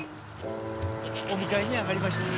お迎えに上がりました。